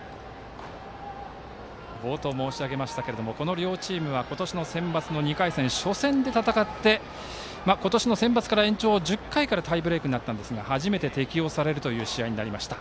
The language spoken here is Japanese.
冒頭申し上げましたがこの両チームは今年のセンバツの２回戦初戦で戦って今年のセンバツから１０回からタイブレークになったんですが初めて適用される試合となりました。